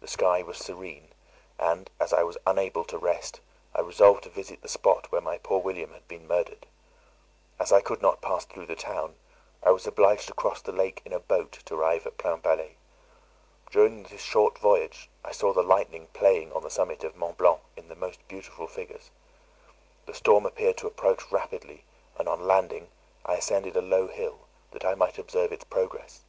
The sky was serene; and, as I was unable to rest, I resolved to visit the spot where my poor William had been murdered. As I could not pass through the town, I was obliged to cross the lake in a boat to arrive at Plainpalais. During this short voyage I saw the lightning playing on the summit of Mont Blanc in the most beautiful figures. The storm appeared to approach rapidly, and, on landing, I ascended a low hill, that I might observe its progress.